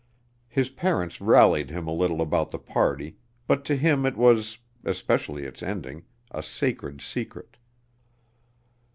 His parents rallied him a little about the party, but to him it was especially its ending, a sacred secret.